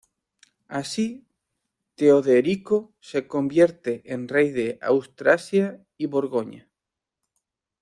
Así Teoderico se convierte en rey de Austrasia y Borgoña.